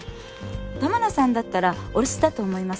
玉名さんだったらお留守だと思います。